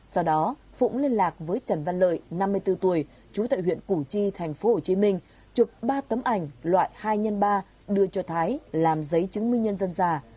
sau đó phụng liên lạc với trần văn lợi năm mươi bốn tuổi trú tại huyện củ chi tp hcm chụp ba tấm ảnh loại hai x ba đưa cho thái làm giấy chứng minh nhân dân giả